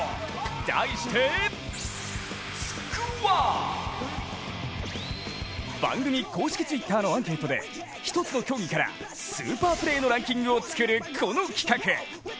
題して「つくワン」番組公式Ｔｗｉｔｔｅｒのアンケートで一つの競技から、スーパープレーのランキングを作る、この企画。